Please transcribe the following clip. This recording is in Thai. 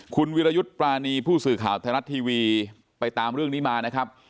คุณวิรยุทธ์ปรานีผู้สื่อข่าวไทยรัฐทีวีไปตามเรื่องนี้มานะครับ